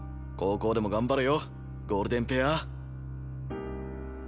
高校でも頑張れよゴールデンペア。